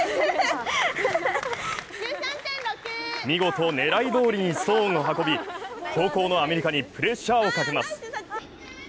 見事、狙いどおりにストーンを運び後攻のアメリカにプレッシャーをかけます。